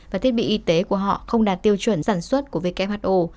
và thiết bị y tế của họ không đạt tiêu chuẩn sản xuất của who